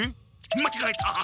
まちがえたんっ！